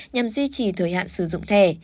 nhằm duy trì thời hạn sử dụng thẻ